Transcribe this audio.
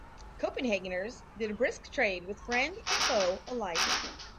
Copenhageners did a brisk trade with friend and foe alike.